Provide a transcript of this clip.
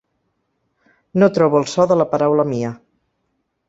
No trobo el so de la paraula mia.